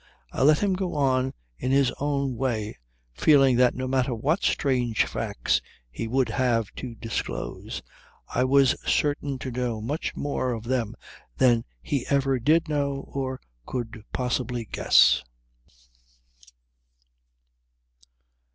I let him go on in his own way feeling that no matter what strange facts he would have to disclose, I was certain to know much more of them than he ever did know or could possibly guess